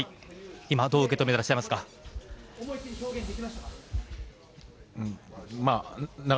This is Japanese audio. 今、どう受け止めていらっしゃいますか？